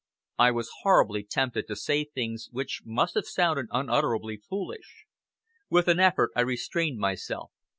I was horribly tempted to say things which must have sounded unutterably foolish. With an effort I restrained myself.